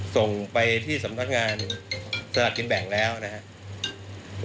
ส่งไปที่สำนักงานสลากกินแบ่งแล้วนะครับ